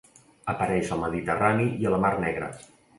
Apareix al Mediterrani i a la Mar Negra.